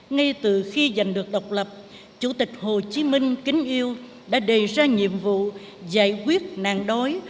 ngay từ khi giành được độc lập chủ tịch hồ chí minh kính yêu đã đề ra nhiệm vụ giải quyết nạn đói